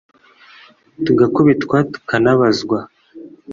tugakubitwa ,tukanabazwa